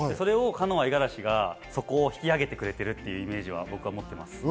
五十嵐がそこを引き上げてくれているというイメージを僕は持っています。